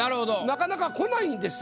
なかなか来ないんですよ。